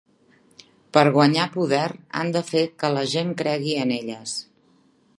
Per guanyar poder han de fer que la gent cregui en elles.